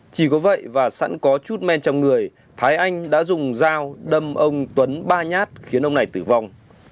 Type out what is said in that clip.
chỉ có vậy và sẵn có chút men trong người thái anh đã dùng dao đâm ông tuấn ba nhát khiến ông này tử vong